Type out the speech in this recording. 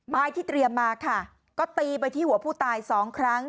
ไม้ที่เตรียมมาค่ะก็ตีไปที่หัวผู้ตายสองครั้ง